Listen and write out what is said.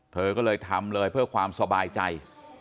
เธอก็เลยทำเลยเพื่อความสบายใจ